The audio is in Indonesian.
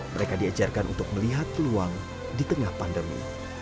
mereka diajarkan untuk melihat peluang di tengah pandemi